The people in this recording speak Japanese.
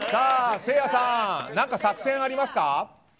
せいやさん何か作戦ありますか？